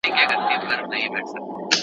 o د خپل کور پير سړي ته نه معلومېږي.